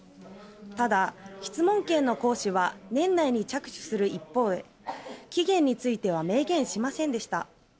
ただ、質問権の行使は年内に着手する一方期限については明言しませんでした。